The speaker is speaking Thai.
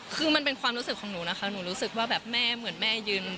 คือมันเป็นความรู้สึกของหนูนะคะหนูรู้สึกว่าแบบแม่เหมือนแม่ยืน